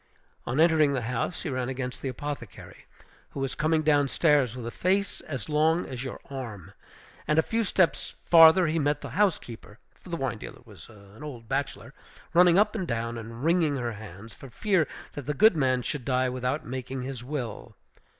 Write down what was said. On entering the house, he ran against the apothecary, who was coming down stairs, with a face as long as your arm; and a few steps farther he met the housekeeper for the wine dealer was an old bachelor running up and down, and wringing her hands, for fear that the good man should die without making his will.